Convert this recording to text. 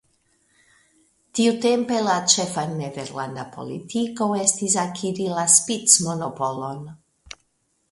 Tiutempe la ĉefa nederlanda politiko estis akiri la spicmonopolon.